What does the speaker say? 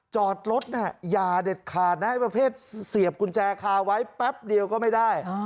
จอดรถน่ะอย่าเด็ดขาดนะประเภทเสียบกุญแจคาไว้แป๊บเดียวก็ไม่ได้